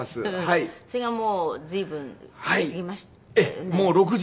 それがもう随分過ぎましたよね？